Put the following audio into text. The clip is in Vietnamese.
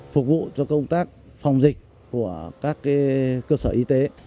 phục vụ cho công tác phòng dịch của các cơ sở y tế